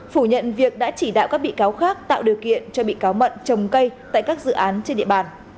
phủ nhận việc đã chỉ đạo các bị cáo khác tạo điều kiện cho bị cáo mận trồng cây tại các dự án trên địa bàn